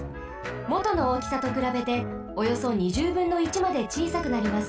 もとのおおきさとくらべておよそ２０ぶんの１までちいさくなります。